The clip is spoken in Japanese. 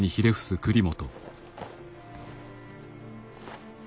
栗本。